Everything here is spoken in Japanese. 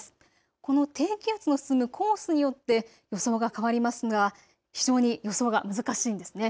この低気圧の進むコースによって予想が変わりますが非常に予想が難しいんですね。